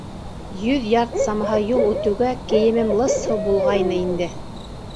Йөҙ ярд самаһы юл үтеүгә кейемем лыс һыу булғайны инде.